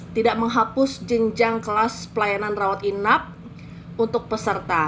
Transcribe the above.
tidak menghapus jenjang kelas pelayanan rawat inap untuk peserta